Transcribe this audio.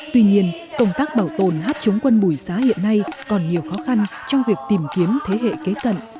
tuy nhiên công tác bảo tồn hát chống quân bùi xá hiện nay còn nhiều khó khăn trong việc tìm kiếm thế hệ kế cận